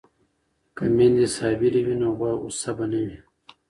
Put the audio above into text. که میندې صابرې وي نو غوسه به نه وي.